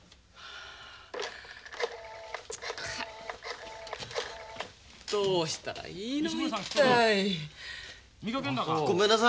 あどうしたらいいの。